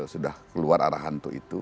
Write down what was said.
sudah keluar arah hantu itu